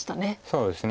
そうですね。